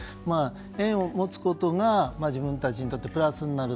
円を持つことが自分たちにとってプラスになる。